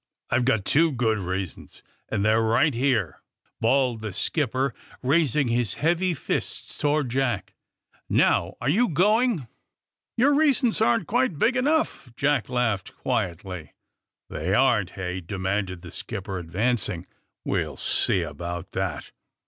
^^I've two good reasons, and they're right here !'' bawled the skipper, raising his heavy fists towards Jack. ^*Now, are you goiag!" '42 THE SUBMARINE BOYS Your reasons aren't quite big enongli," Jac!t langhed quietly. '^They aren% heyT" demanded tlie skipper, advancing. We'll see about tbat!"